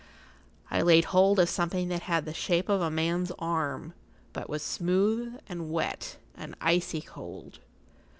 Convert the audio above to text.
I laid hold of something that had the shape of[Pg 44] a man's arm, but was smooth, and wet, and icy cold.